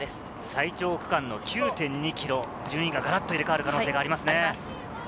最長区間の９．２ｋｍ、順位がガラッと入れ替わる可能性がありますね。